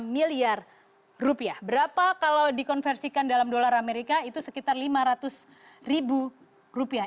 enam enam miliar rupiah